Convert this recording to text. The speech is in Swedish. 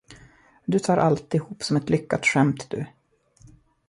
Du tar alltihop som ett lyckat skämt, du.